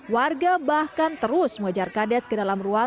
warga bahkan terus mengejar kd